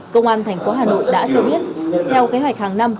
công an thành phố hà nội đã cho biết theo kế hoạch hàng năm